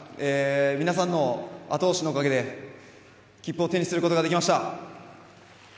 皆さんの後押しのおかげで切符を手にすることができました。